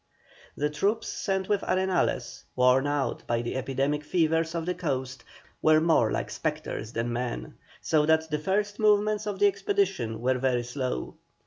The troops sent with Arenales, worn out by the endemic fevers of the coast, were more like spectres than men, so that the first movements of the expedition were very slow.